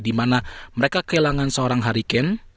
dimana mereka kehilangan seorang harry kane